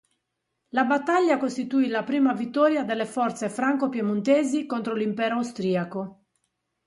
La battaglia costituì la prima vittoria delle forze franco-piemontesi contro l'impero austriaco.